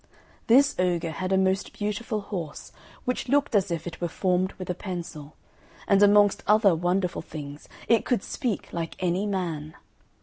This ogre had a most beautiful horse, which looked as if it were formed with a pencil; and amongst other wonderful things, it could speak like any man.